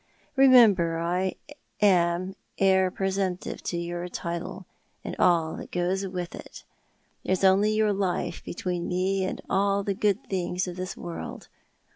Remember, after all, I am heir presumptive to your title, and all that goes with it. There is only your life between me and all the good things of this world.